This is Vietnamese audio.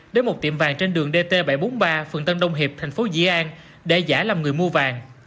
đến một tiệm vàng trên đường dt bảy trăm bốn mươi ba phường tân đông hiệp thành phố dĩ an để giả làm người mua vàng